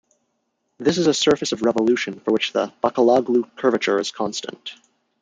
This is a surface of revolution for which the "Bacaloglu curvature" is constant.